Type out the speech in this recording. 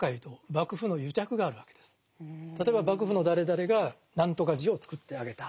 例えば幕府の誰々が何とか寺をつくってあげた。